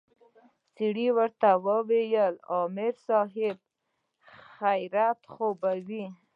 سړي ته يې وويل امر صايب خيريت خو به وي.